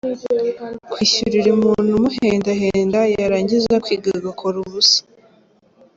Kwishyurira umuntu umuhendahenda, yarangiza kwiga agakora ubusa.